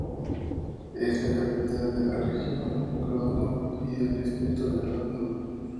Es la capital de la Región de Grodno y del Distrito de Grodno.